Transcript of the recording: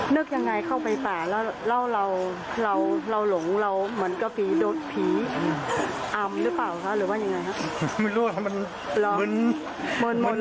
นึกยังไงเข้าไปป่าแล้วเราหลงเราเหมือนกับผีอำหรือเปล่าคะหรือว่ายังไงครับ